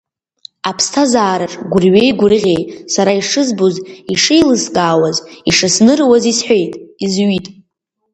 Аԥсҭазаараҿ гәырҩеи-гәырӷьеи сара ишызбоз, ишеилыскаауаз, ишысныруаз исҳәеит, изҩит.